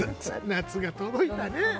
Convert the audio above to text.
夏が届いたね。